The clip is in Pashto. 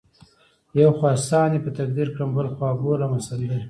یو خوا ساندې په تقدیر کړم بل خوا بولمه سندرې